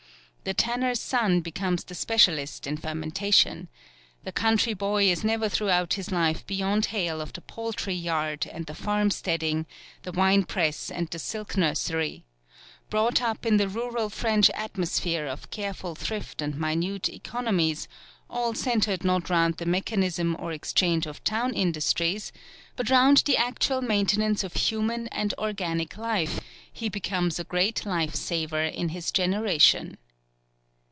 The tanner's son becomes the specialist in fermentation; the country boy is never throughout his life beyond hail of the poultry yard and the farm steading, the wine press and the silk nursery; brought up in the rural French atmosphere of careful thrift and minute economies, all centred not round the mechanism or exchange of town industries, but round the actual maintenance of human and organic life, he becomes a great life saver in his generation.